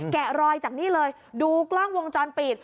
แกะรอยจากนี่เลยดูกล้องวงจรปิด